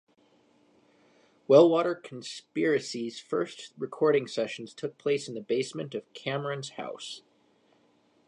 Wellwater Conspiracy's first recording sessions took place in the basement of Cameron's house.